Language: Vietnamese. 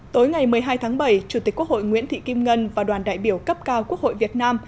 tối ngày một mươi hai tháng bảy chủ tịch quốc hội nguyễn thị kim ngân và đoàn đại biểu cấp cao quốc hội việt nam